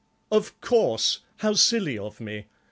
"Of course, how silly of me.